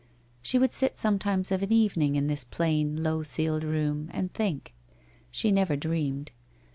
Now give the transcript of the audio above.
She would sit sometimes of an evening in this plain low ceiled room and think. She never dreamed.